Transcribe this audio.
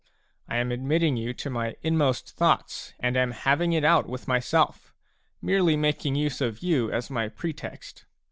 I am admitting you to my inmost thoughts, and am having it out with myself, merely making use of you as my pretext.